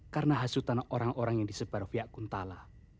karena hasutan orang orang yang disebar via kuntala